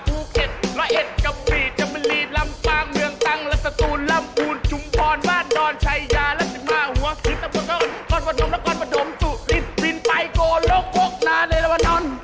ภูเกษร้อยเอ็ดกับบีจำลีลำปางเหลืองตังและสตูนลำคูณจุมพรบ้านดอนชัยยาและสิบหมาหัวศิษย์ทั้งหมดก่อนประดมและก่อนประดมสู่ฤทธิ์บินไปโกโลกโพกนาในละวะนอน